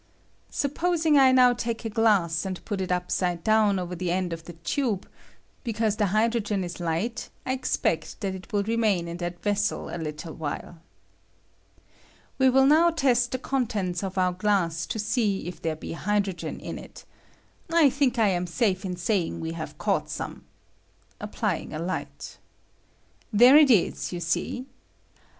Supposing I now take a glass and put it upside down over the end of the tube, because the hydrogen is light I expect that it will remain in that vessel a little while. We will now test the contents of our glass to Bee if there be hydrogen in it; I think I am safe in saying we have caught some [applying a light]. There it is, you see.